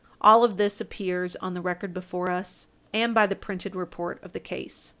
All of this appears on the record before us, and by the printed report of the case.